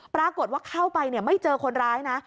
ปรากฏว่าเข้าไปไม่เจอคนร้ายนะ